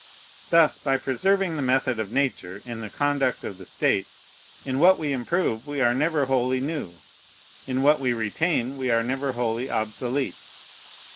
Thus, by preserving the method of Nature in the conduct of the state, in what we improve we are never wholly new, in what we retain we are never wholly obsolete.